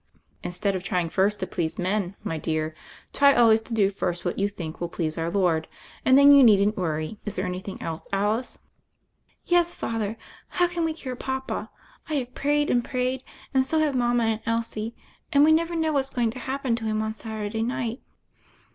"Instead of trying first to please men, my dear, try always to do first what you think will please Our Lord, and then you needn't worry. Is there anything else, Alice ?" "Yes, Father; how can we cure papa? I have prayed and prayed, and so have mama and Elsie, and we never know what's going to hap pen to him on Saturday night."